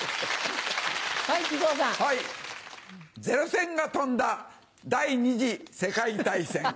ゼロ戦が飛んだ第２次世界大戦。